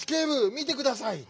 見てください。